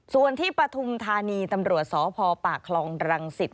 ส่วนที่ปฐุมธานีตำรวจสพปากคลองรังสิต